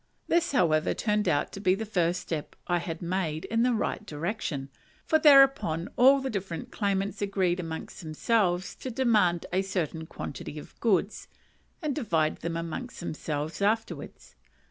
This, however, turned out to be the first step I had made in the right direction; for, thereupon, all the different claimants agreed amongst themselves to demand a certain quantity of goods, and divide them amongst themselves afterwards.